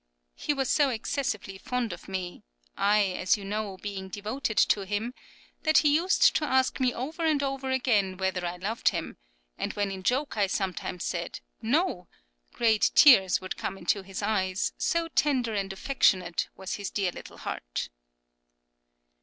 He was so excessively fond of me I, as you know, being devoted to him that he used to ask me over and over again whether I loved him; and when in joke I sometimes said "No," great tears would come into his eyes, so tender and affectionate was his dear little heart.